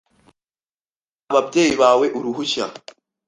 Saba ababyeyi bawe uruhushya .